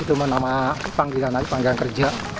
itu nama panggilan aja panggilan kerja